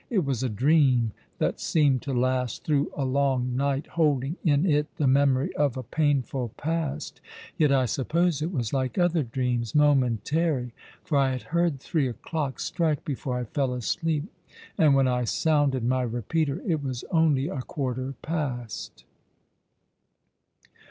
It was a dream that seemed to last through a long night, holding in it the memory of a painful past ; yet I suppose it was like other dreams — momentary, for I had heard three o'clock strike before I fell asleep, and when I sounded my repeater it was only a quarter past."